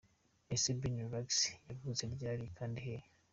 Ese Binny Relax Yavutse ryari kandi hehe?.